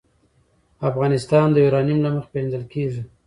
افغانستان د یورانیم له مخې پېژندل کېږي.